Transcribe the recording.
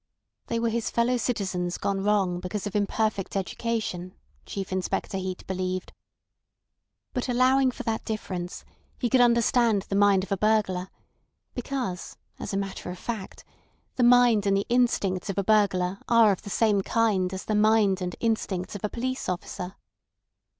They were his fellow citizens gone wrong because of imperfect education, Chief Inspector Heat believed; but allowing for that difference, he could understand the mind of a burglar, because, as a matter of fact, the mind and the instincts of a burglar are of the same kind as the mind and the instincts of a police officer.